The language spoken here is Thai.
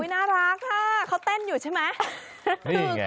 น่ารักค่ะเขาเต้นอยู่ใช่ไหม